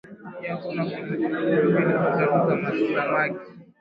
yako na kuleta kilo mbili au tatu za samaki